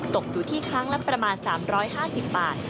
ตกอยู่ที่ครั้งละประมาณ๓๕๐บาท